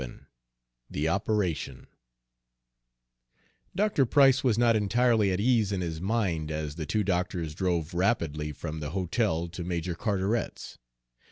VII THE OPERATION Dr. Price was not entirely at ease in his mind as the two doctors drove rapidly from the hotel to Major Carteret's.